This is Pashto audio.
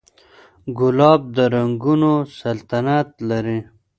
ګلاب د رنګونو سلطنت لري.